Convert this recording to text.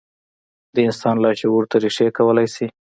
د انسان لاشعور ته رېښې کولای شي.